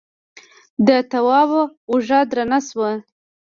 د تواب اوږه درنه شوه.